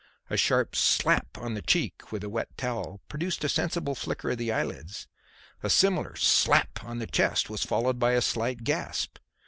A sharp slap on the cheek with the wet towel produced a sensible flicker of the eyelids; a similar slap on the chest was followed by a slight gasp.